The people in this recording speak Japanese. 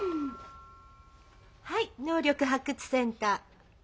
☎はい能力発掘センター。